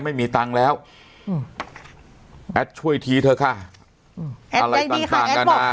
ไม่มีตังค์แล้วแอดช่วยทีเถอะค่ะแอดได้ดีค่ะแอดบอก